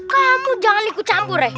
kamu jangan ikut campur ya